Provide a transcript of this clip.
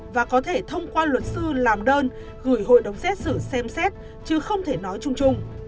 và có thể thông qua luật sư làm đơn gửi hội đồng xét xử xem xét chứ không thể nói chung chung